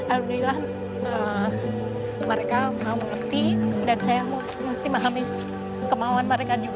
alhamdulillah mereka mau mengerti dan saya mesti memahami kemauan mereka juga